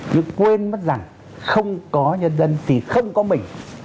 nhưng quên mất rằng không có nhân dân thì không có mình